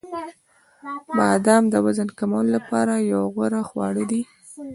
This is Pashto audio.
• بادام د وزن کمولو لپاره یو غوره خواړه دي.